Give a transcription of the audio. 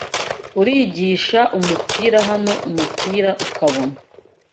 urigisha umupira hano umupira ukabona